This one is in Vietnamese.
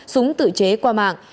súng tự chế qua mạng